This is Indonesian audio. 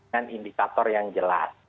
dan indikator yang jelas